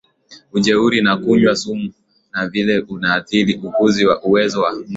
ujeuri na kunywa sumu na vilevile unaathiri ukuzi na uwezo wa mtu